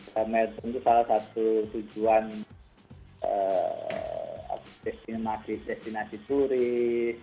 kan meletun itu salah satu tujuan destinasi turis